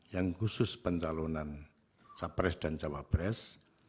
yang khusus pencalonan capres dan cawapres